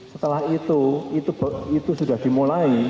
setelah itu itu sudah dimulai